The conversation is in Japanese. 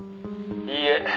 「いいえ。